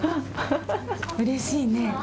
うれしいね。